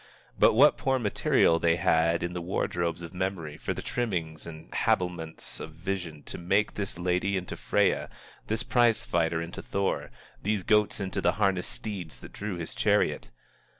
But what poor material they had in the wardrobes of memory for the trimmings and habiliments of vision, to make this lady into Freya, this prize fighter into Thor, these goats into the harnessed steeds that drew his chariot!